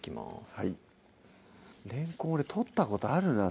はいれんこん俺採ったことあるな